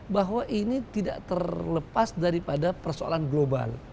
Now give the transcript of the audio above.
bahwa ini tidak terlepas daripada persoalan global